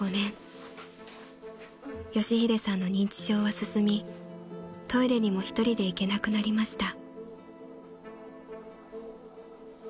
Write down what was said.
［佳秀さんの認知症は進みトイレにも一人で行けなくなりました］